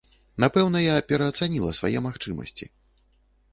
Напэўна, я пераацаніла свае магчымасці.